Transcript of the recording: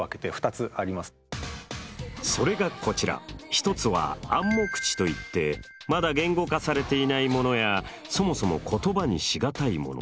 一つは暗黙知といってまだ言語化されていないものやそもそも言葉にしがたいもの。